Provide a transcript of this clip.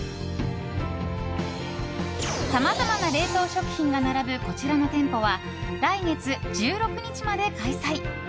さまざまな冷凍食品が並ぶこちらの店舗は来月１６日までの開催。